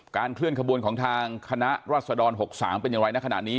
เคลื่อนขบวนของทางคณะรัศดร๖๓เป็นอย่างไรในขณะนี้